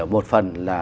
một phần là